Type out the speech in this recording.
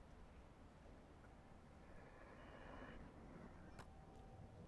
Su producción incluye chasquidos y "beats" electrónicos.